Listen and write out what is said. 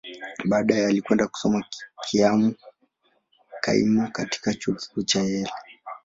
Baadaye, alikwenda kusoma kaimu katika Chuo Kikuu cha Yale.